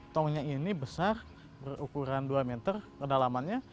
tongnya ini besar berukuran dua meter kedalamannya